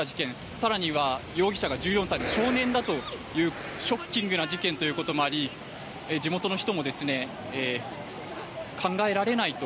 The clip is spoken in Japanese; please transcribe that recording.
更には容疑者が１４歳の少年だというショッキングな事件ということもあり地元の人も、考えられないと。